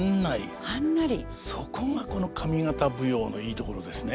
そこがこの上方舞踊のいいところですね。